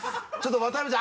渡邊ちゃん